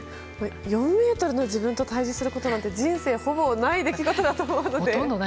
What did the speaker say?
４ｍの自分と対峙することなんて人生ほぼない出来事なので。